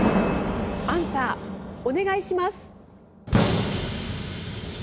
アンサーお願いします！